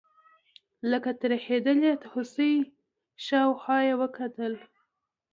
لکه ترهېدلې هوسۍ شاوخوا یې وکتل.